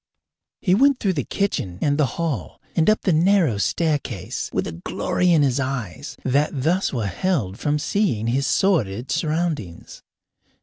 He went through the kitchen and the hall and up the narrow staircase with a glory in his eyes that thus were held from seeing his sordid surroundings.